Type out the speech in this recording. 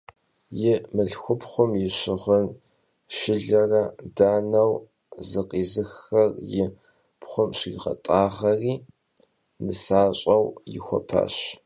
Yi mılhxupxhum yi şığın şşılere daneu zıkhizıxxer yi pxhum şriğet'ağeri nısaş'eu yixuepaş.